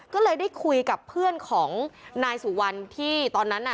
ก็เลยได้คุยกับเพื่อนของนายสุวรรณที่ตอนนั้นน่ะ